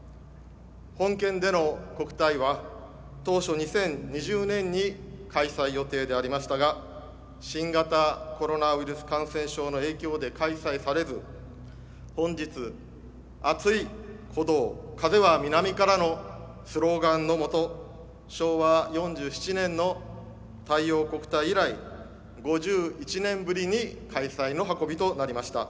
本県での国体は、当初２０２０年に開催予定でありましたが新型コロナウイルス感染症の影響で開催されず本日「熱い鼓動風は南から」のスローガンのもと昭和４７年の太陽国体以来５１年ぶりに開催の運びとなりました。